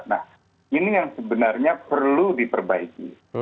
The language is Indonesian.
nah ini yang sebenarnya perlu diperbaiki